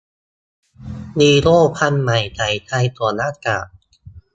ฮีโร่พันธุ์ใหม่ ใส่ใจสวมหน้ากาก